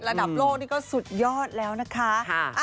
ระดับโลกนี่ก็สุดยอดแล้วนะคะ